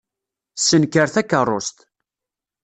Ssenker takeṛṛust.